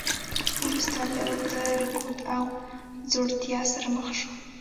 خو وروسته له اوږده رکود او ځوړتیا سره مخ شو.